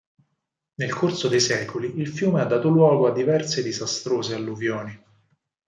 Nel corso dei secoli il fiume ha dato luogo a diverse disastrose alluvioni.